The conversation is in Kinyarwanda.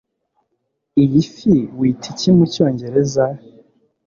iyi fi wita iki mucyongereza